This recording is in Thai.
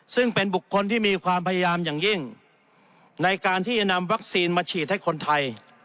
ซึ่งเป็นบุคคลที่มีความพยายามอย่างยิ่งในการที่จะนำวัคซีนมาฉีดให้คนไทย